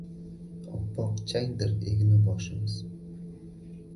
Oppok changdir egnu boshimiz